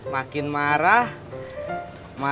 makin marah kakak masih marah